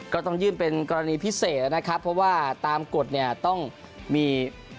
ก็ต้องยื่นเป็นกรณีพิเศษนะครับเพราะว่าตามกฎเนี่ยต้องมี